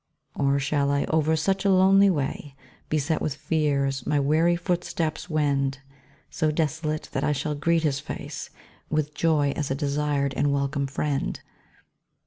Or shall I over such a lonely way, Beset with fears, my weary footsteps wend, So desolate, that I shall greet his face With joy as a desired and welcome friend?